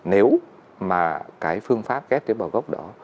nếu mà cái phương pháp ghép tế bào gốc đó